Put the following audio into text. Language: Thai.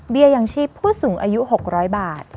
เบียร์ยังชีพผู้สูงอายุ๖๐๐บาท